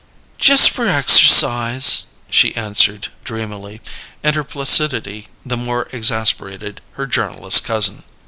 "Just for exercise," she answered dreamily; and her placidity the more exasperated her journalist cousin.